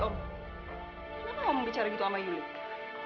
kenapa om bicara gitu sama ibu